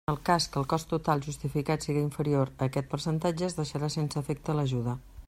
En el cas que el cost total justificat siga inferior a aquest percentatge, es deixarà sense efecte l'ajuda.